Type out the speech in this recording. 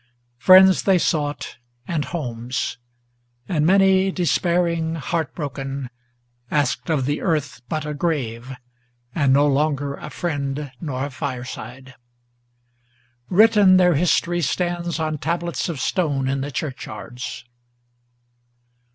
Friends they sought and homes; and many, despairing, heart broken, Asked of the earth but a grave, and no longer a friend nor a fireside. Written their history stands on tablets of stone in the churchyards.